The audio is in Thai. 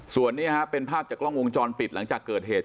ส่วนนี้เป็นภาพจากกล้องวงจรปิดหลังจากเกิดเหตุ